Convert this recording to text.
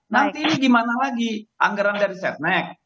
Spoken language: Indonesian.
nanti ini gimana lagi anggaran dari setnek